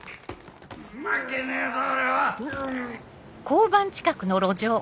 負けねえぞ俺は！